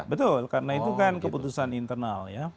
betul karena itu kan keputusan internal ya